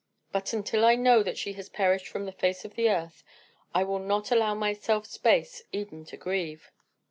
But, until I know that she has perished from the face of the earth, I will not allow myself space even to grieve."